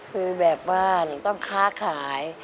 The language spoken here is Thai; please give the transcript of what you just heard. คือแบบว่าหนูต้องค้าขาย